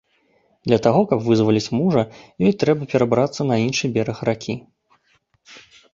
Для таго, каб вызваліць мужа, ёй трэба перабрацца на іншы бераг ракі.